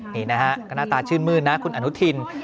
นี่นะฮะก็หน้าตาชื่นมืดนะคุณอนุทิน